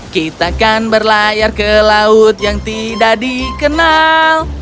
kita akan berlayar ke laut yang tidak dikenal